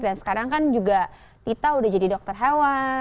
dan sekarang kan juga tita udah jadi dokter hewan